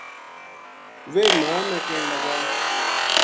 ویہ ماں نا کہن لگا